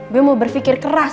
gue mau berfikir keras